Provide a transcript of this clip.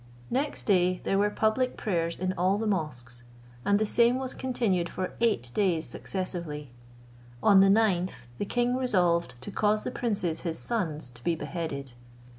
Next day there were public prayers in all the mosques, and the same was continued for eight days successively. On the ninth the king resolved to cause the princes his sons to be beheaded.